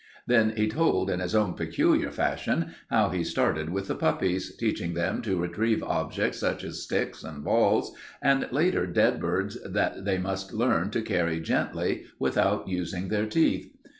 Then he told, in his own peculiar fashion, how he started with the puppies, teaching them to retrieve objects such as sticks and balls, and later dead birds that they must learn to carry gently without using their teeth.